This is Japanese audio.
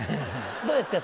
どうですか？